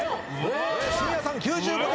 真矢さん９５点。